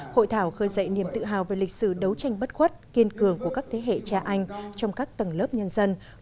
hội thảo khơi dậy niềm tự hào về lịch sử đấu tranh bất khuất kiên cường của các thế hệ cha anh trong các tầng lớp nhân dân